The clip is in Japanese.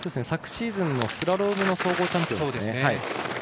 昨シーズンのスラロームの総合チャンピオンですね。